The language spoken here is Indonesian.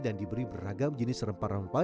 dan diberi beragam jenis rempah rempah